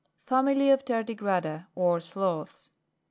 FAMILY OF TARDIGRADA, OR SLOTHS.